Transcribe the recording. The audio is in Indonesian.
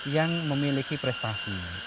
yang memiliki prestasi